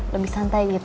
lebih santai gitu